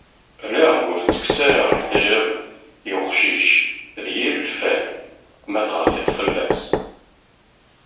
Ala ur as-ttekkes ara leḥjab i uqcic d yir lfal ma fɣa tiṭ fell-as.